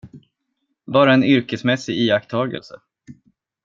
Bara en yrkesmässig iakttagelse.